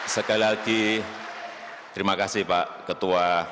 sekali lagi terima kasih pak ketua